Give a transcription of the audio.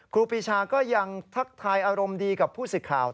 ครูปีชาก็ยังทักทายอารมณ์ดีกับผู้สื่อข่าว